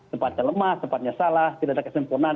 tempatnya lemah tempatnya salah tidak ada kesempurnaan